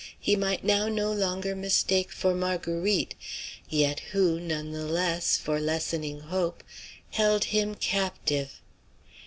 he might now no longer mistake for Marguerite, yet who, none the less for lessening hope, held him captive.